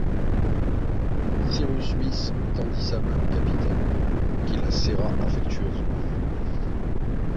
Cyrus Smith tendit sa main au capitaine, qui la serra affectueusement.